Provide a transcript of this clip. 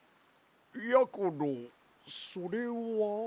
やころそれは？